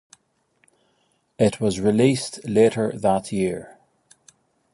It was released later that year.